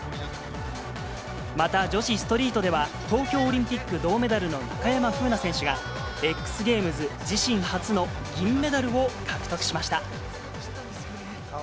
また、女子ストリートでは、東京オリンピック銅メダルの中山楓奈選手が、Ｘゲームズ自身初の銀メダルを獲得しました。